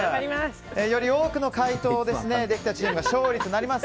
より多くの解答できたチームが勝利となります。